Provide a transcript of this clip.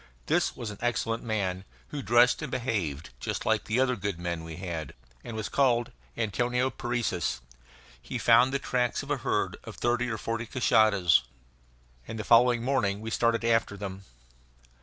This was an excellent man, who dressed and behaved just like the other good men we had, and was called Antonio Parecis. He found the tracks of a herd of thirty or forty cashadas, and the following morning we started after them.